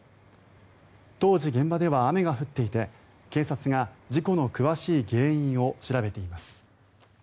当時、現場では雨が降っていて警察が事故の詳しい原因を調べています。